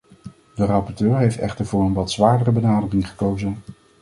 De rapporteur heeft echter voor een wat zwaardere benadering gekozen.